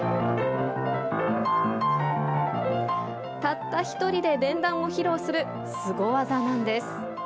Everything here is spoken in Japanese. たった一人で連弾を披露するすご技なんです。